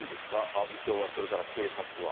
阿武町は、それから警察は。